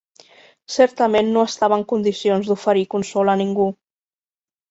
Certament no estava en condicions d'oferir consol a ningú.